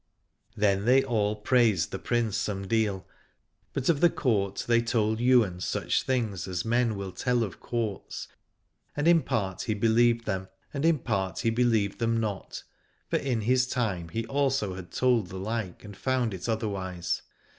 Then they all praised the Prince some deal, but of the Court they told Ywain such things as men will tell of Courts, and in part he believed them and in part he believed them not : for in his time he also had told the like and found it otherwise.